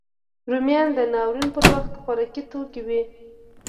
رومیان د ناورین پر وخت خوارکي توکی وي